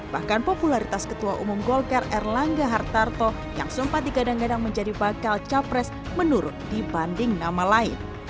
bahkan popularitas ketua umum golkar erlangga hartarto yang sempat digadang gadang menjadi bakal capres menurun dibanding nama lain